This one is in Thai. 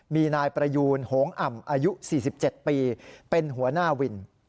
มีนายประยูนโหงอ่ำอายุ๔๗ปีเป็นหัวหน้าวิน